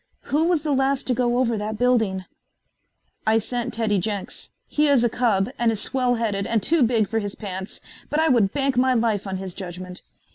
Who was the last to go over that building?" "I sent Teddy Jenks. He is a cub and is swell headed and too big for his pants, but I would bank my life on his judgment.